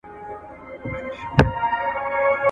د ژوند حق ته پاملرنه وکړئ.